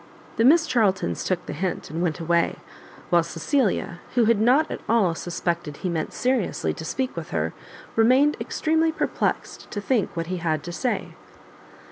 The Miss Charltons took the hint, and went away; while Cecilia, who had not at all suspected he meant seriously to speak with her, remained extremely perplexed to think what he had to say.